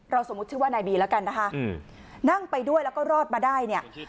สมมุติชื่อว่านายบีแล้วกันนะคะนั่งไปด้วยแล้วก็รอดมาได้เนี่ย